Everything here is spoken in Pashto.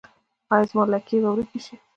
ایا زما لکې به ورکې شي؟